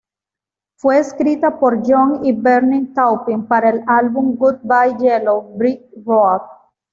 Fue escrita por John y Bernie Taupin para el álbum "Goodbye Yellow Brick Road".